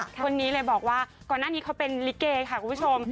คนนี้เลยบอกว่าก่อนหน้านี้เขาเป็นลิเกค่ะคุณผู้ชม